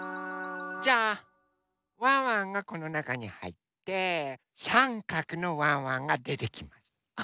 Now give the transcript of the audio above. じゃあワンワンがこのなかにはいってさんかくのワンワンがでてきます。